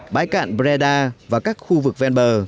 bãi cạn breda và các khu vực ven bờ